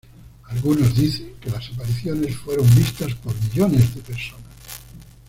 Algunos dicen que las apariciones fueron vistas por millones de personas.